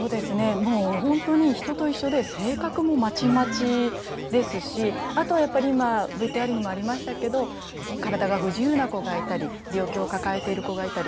もう本当に人と一緒で性格もまちまちですしあとはやっぱり今ＶＴＲにもありましたけど体が不自由な子がいたり病気を抱えている子がいたり。